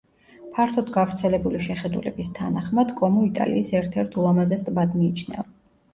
ფართოდ გავრცელებული შეხედულების თანახმად, კომო იტალიის ერთ-ერთ ულამაზეს ტბად მიიჩნევა.